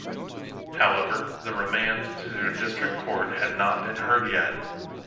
However, the remand to District Court had not been heard yet.